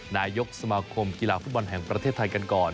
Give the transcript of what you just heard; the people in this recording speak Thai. นายกสมาคมกีฬาฟุตบอลแห่งประเทศไทยกันก่อน